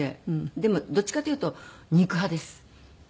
でもどっちかというと肉派です。